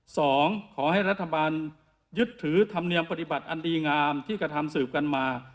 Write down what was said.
ขอให้รัฐบาลยึดถือธรรมเนียมปฏิบัติอันดีงามที่กระทำสืบกันมา